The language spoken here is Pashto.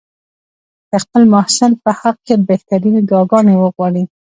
د خپل محسن په حق کې بهترینې دعاګانې وغواړي.